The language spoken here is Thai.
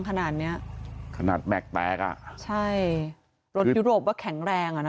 ขนาดเนี้ยขนาดแม็กซ์แตกอ่ะใช่รถยุโรปก็แข็งแรงอ่ะนะ